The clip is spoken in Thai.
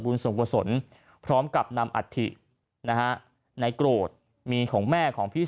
บุญส่วนผัวสนพร้อมกับนำอัตฐินะฮะในกรดมีของแม่ของพี่